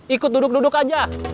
ikut duduk duduk aja